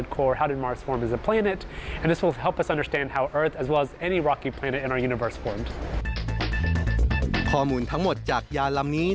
ข้อมูลทั้งหมดจากยาลำนี้